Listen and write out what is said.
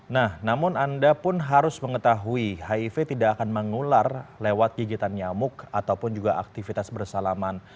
nah namun anda pun harus mengetahui hiv tidak akan mengular lewat gigitan nyamuk ataupun juga aktivitas bersalaman